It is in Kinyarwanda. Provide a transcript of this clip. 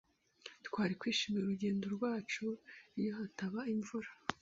Twari kwishimira urugendo rwacu iyo hataba imvura.